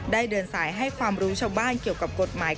เดินสายให้ความรู้ชาวบ้านเกี่ยวกับกฎหมาย